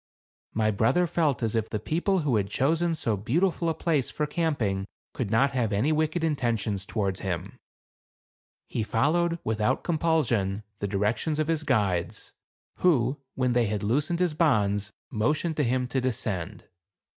My brother felt as if the people who had 164 THE CARAVAN. chosen so beautiful a place for camping could not have any wicked intentions toward him ; he followed, without compulsion, the directions of his guides, who when they had loosened his bonds, motioned to him to descend.